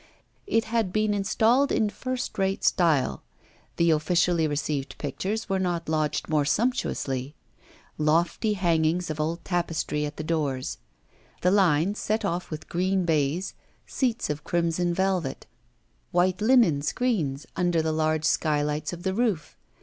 It had been installed in first rate style. The officially received pictures were not lodged more sumptuously: lofty hangings of old tapestry at the doors; 'the line' set off with green baize; seats of crimson velvet; white linen screens under the large skylights of the roof.